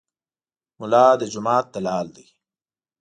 ملا د جومات دلال دی.